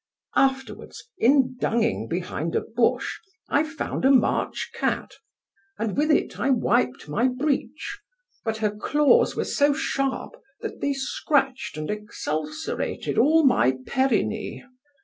Afterwards, in dunging behind a bush, I found a March cat, and with it I wiped my breech, but her claws were so sharp that they scratched and exulcerated all my perinee.